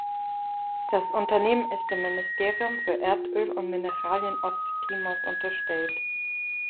Das Unternehmen ist dem Ministerium für Erdöl und Mineralien Osttimors unterstellt.